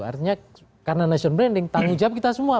artinya karena nation branding tanggung jawab kita semua